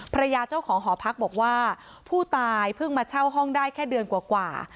เจ้าของหอพักบอกว่าผู้ตายเพิ่งมาเช่าห้องได้แค่เดือนกว่า